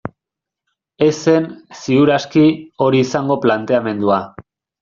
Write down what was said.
Ez zen, ziur aski, hori izango planteamendua.